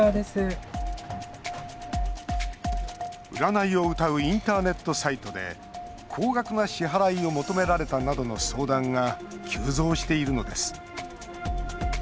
占いをうたうインターネットサイトで高額な支払いを求められたなどの相談が急増しているのです。